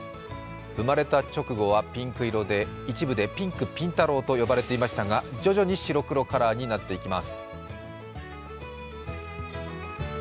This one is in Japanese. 生まれた直後はピンク色で一部でピンクピン太郎と呼ばれていましたが、徐々に白黒カラーになっていきます。